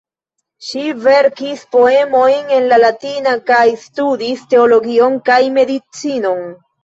Ŝi verkis poemojn en la latina kaj studis teologion kaj medicinon.